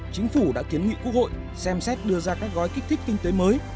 chính phủ đã kiến nghị quốc hội xem xét đưa ra các gói kích thích kinh tế mới